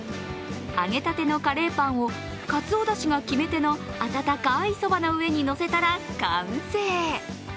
揚げたてのカレーパンをかつおだしが決め手の温かいそばの上にのせたら完成。